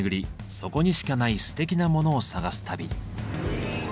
そこにしかないすてきなモノを探す旅。